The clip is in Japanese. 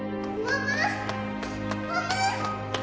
ママ！